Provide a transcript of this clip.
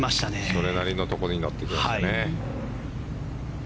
それなりのところに乗ってきましたね。